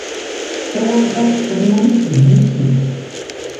Ssawalen taspenyulit deg Miksik.